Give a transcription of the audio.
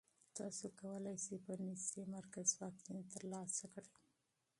تاسو کولی شئ په نږدې مرکز واکسین ترلاسه کړئ.